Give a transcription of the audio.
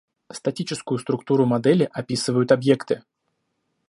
Статическую структуру модели описывают объекты